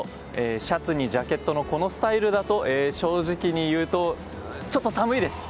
シャツにジャケットのこのスタイルだと、正直に言うとちょっと寒いです。